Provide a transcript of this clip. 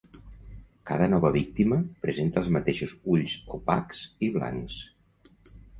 Cada nova víctima presenta els mateixos ulls opacs i blancs.